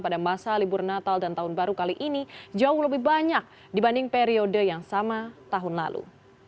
pada masa libur natal dan tahun baru kali ini jauh lebih banyak dibanding periode yang sama tahun lalu